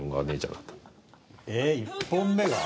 ええ１本目が？